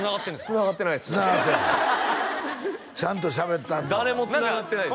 つながってないっすちゃんとしゃべってはったわ誰もつながってないです